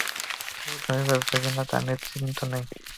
তবে তুমি বাচবে কিনা তা নিশ্চিত নই।